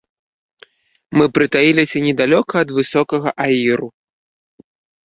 Мы прытаіліся недалёка ад высокага аіру.